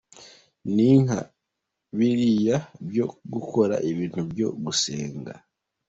"Ni nka biriya byo gukora ibintu byo gusenga.